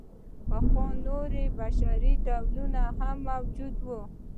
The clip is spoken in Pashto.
پخوا نور بشري ډولونه هم موجود وو.